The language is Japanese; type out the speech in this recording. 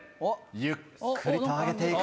ゆっくりと上げて行く。